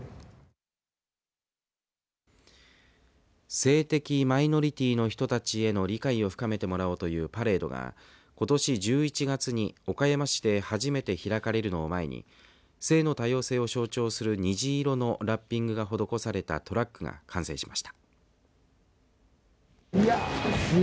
性的マイノリティーの人たちへの理解を深めてもらおうというパレードが、ことし１１月に岡山市で初めて開かれるのを前に性の多様性を象徴する虹色のラッピングが施されたトラックが完成しました。